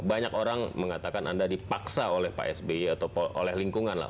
banyak orang mengatakan anda dipaksa oleh pak sby atau oleh lingkungan lah